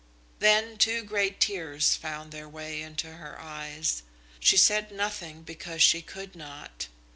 Then two great tears found their way into her eyes. She said nothing because she could not.